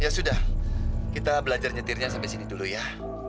ya sudah kita belajar nyetirnya sampai sini dulu ya